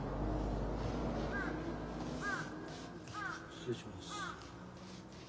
失礼します。